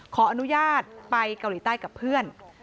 ขออนุญาตไปเกาหลีใต้กับเพื่อน